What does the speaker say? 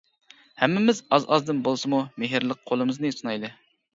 ھەممىمىز ئاز-ئازدىن بولسىمۇ مېھىرلىك قۇلىمىزنى سۇنايلى!